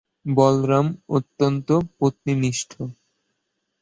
বলরাম অত্যন্ত পত্নীনিষ্ঠ।